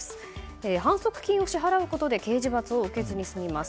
反則金を支払うことで刑事罰を受けずに済みます。